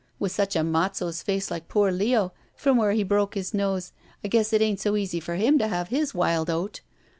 With such a matzos face like poor Leo, from where he broke his nose, I guess it ain't so easy for him to have his wild oat.